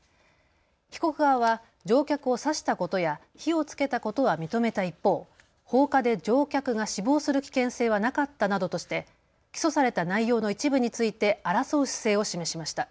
被告側は乗客を刺したことや火をつけたことは認めた一方、放火で乗客が死亡する危険性はなかったなどとして起訴された内容の一部について争う姿勢を示しました。